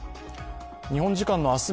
日本時間の明日